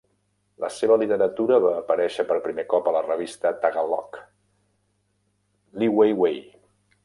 La seva literatura va aparèixer per primer cop a la revista Tagalog, "Liwayway".